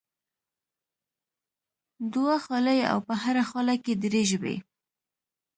دوه خولې او په هره خوله کې درې ژبې.